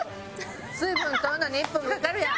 水分取るのに１分かかるやん。